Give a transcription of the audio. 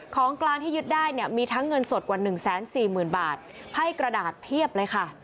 ของกลางที่ยึดได้เนี่ยมีทั้งเงินสดกว่า๑๔๐๐๐บาทไพ่กระดาษเพียบเลยค่ะ